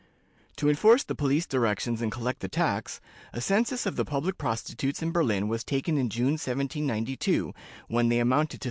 To enforce the police directions and collect the tax, a census of the public prostitutes in Berlin was taken in June, 1792, when they amounted to 311.